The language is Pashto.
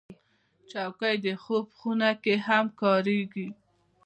چوکۍ د خوب خونه کې هم کارېږي.